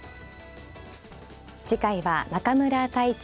次回は中村太地